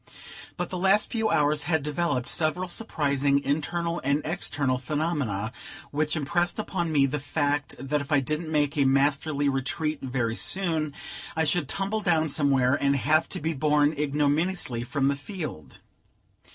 But the last few hours had developed several surprising internal and external phenomena, which impressed upon me the fact that if I didn't make a masterly retreat very soon, I should tumble down somewhere, and have to be borne ignominiously from the field.